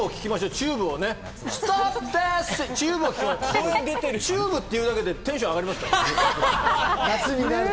ＴＵＢＥっていうだけでテンション上がりますからね。